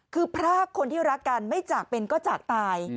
คือพรากคนที่รักกันไม่จากเป็นก็จากตาย